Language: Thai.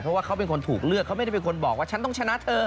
เพราะว่าเขาเป็นคนถูกเลือกเขาไม่ได้เป็นคนบอกว่าฉันต้องชนะเธอ